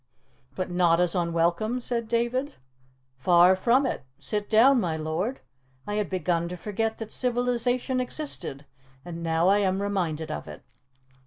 "But not as unwelcome?" said David. "Far from it. Sit down, my lord. I had begun to forget that civilization existed, and now I am reminded of it."